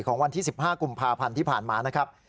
วันที่๑๕กุมภาพันธ์ที่ผ่านมานะครับ